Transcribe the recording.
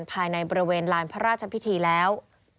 ภายในบริเวณลานพระราชพิธีแล้ว